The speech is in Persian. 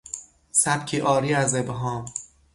سبکی عاری از ابهام